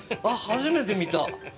あっ、初めて見た。